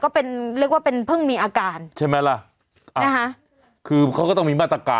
ก็เป็นเรียกว่าเป็นเพิ่งมีอาการใช่ไหมล่ะนะคะคือเขาก็ต้องมีมาตรการ